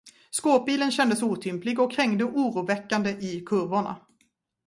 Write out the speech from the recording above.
Skåpbilen kändes otymplig och krängde oroväckande i kurvorna.